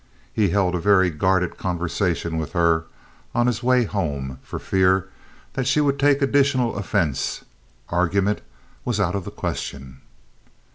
He held a very guarded conversation with her on his way home, for fear that she would take additional offense. Argument was out of the question.